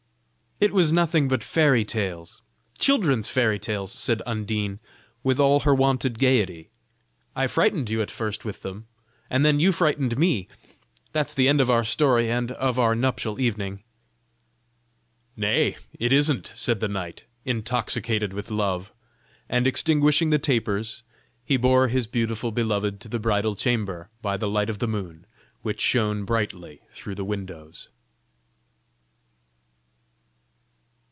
"It was nothing but fairy tales! children's fairy tales!" said Undine, with all her wonted gayety; "I frightened you at first with them, and then you frightened me, that's the end of our story and of our nuptial evening." "Nay! that it isn't," said the knight, intoxicated with love, and extinguishing the tapers, he bore his beautiful beloved to the bridal chamber by the light of the moon which shone brightly through the windows.